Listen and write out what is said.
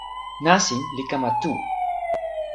nasin li kama tu.